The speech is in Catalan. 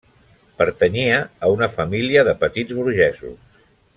Pertanyia a una família de petits burgesos.